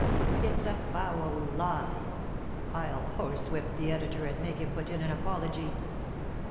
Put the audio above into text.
"It's a foul lie. I'll horsewhip the editor and make him put in an apology."